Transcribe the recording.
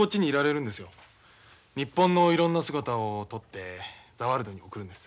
日本のいろんな姿を撮って「ザ・ワールド」に送るんです。